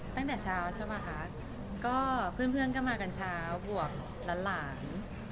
ตั้งแต่เช้าใช่ป่ะคะก็เพื่อนเพื่อนก็มากันเช้าบวกล้านหลาน